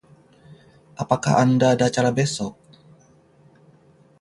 Apakah Anda ada acara besok?